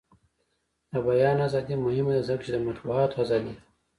د بیان ازادي مهمه ده ځکه چې د مطبوعاتو ازادي ده.